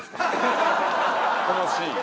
このシーン。